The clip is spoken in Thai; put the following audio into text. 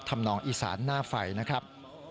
ทำนองอิสระหน้าไฟนะครับ